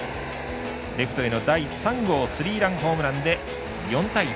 レフトへの第３号スリーランホームランで４対１。